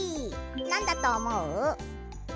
なんだとおもう？